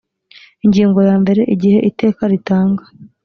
ingingo ya mbere igihe iteka ritanga